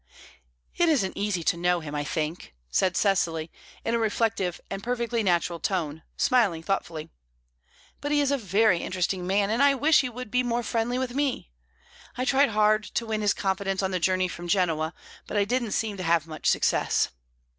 "It isn't easy to know him, I think," said Cecily, in a reflective and perfectly natural tone, smiling thoughtfully. "But he is a very interesting man, and I wish he would be more friendly with me. I tried hard to win his confidence on the journey from Genoa, but I didn't seem to have much success.